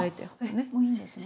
あえっもういいんですね。